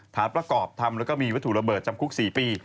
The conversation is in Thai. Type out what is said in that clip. ฐานประกอบทำังมีวัสดุระเบิดจำคุก๔ปี